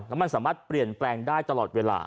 แล้วมันสามารถเปลี่ยนแปลงได้ตลอดเวลา